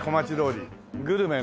グルメね。